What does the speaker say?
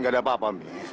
gak ada apa apa mi